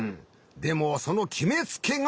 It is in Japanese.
でもそのきめつけが。